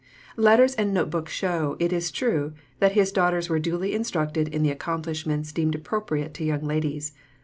Letters and note books show, it is true, that his daughters were duly instructed in the accomplishments deemed appropriate to young ladies.